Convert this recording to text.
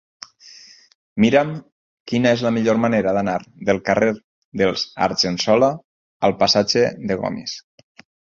Mira'm quina és la millor manera d'anar del carrer dels Argensola al passatge de Gomis.